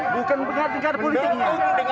bukan dengan tingkat politiknya